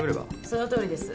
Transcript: そのとおりです。